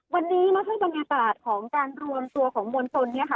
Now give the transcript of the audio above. วันนี้มาเพิ่มบรรยาบาลของการรวมตัวของมวลศนเนี่ยค่ะ